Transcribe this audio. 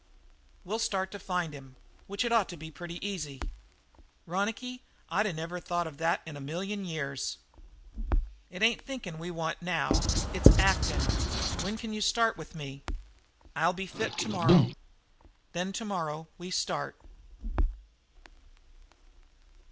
We'll start to find him, which had ought to be pretty easy." "Ronicky, I'd never of thought of that in a million years!" "It ain't thinking that we want now, it's acting. When can you start with me?" "I'll be fit tomorrow." "Then tomorrow we start."